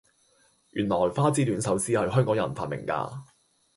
原來花之戀壽司係香港人發明架